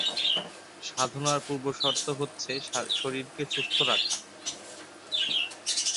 সাধনার পূর্বশর্ত হচ্ছে শরীরকে সুস্থ রাখা।